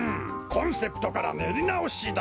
コンセプトからねりなおしだ。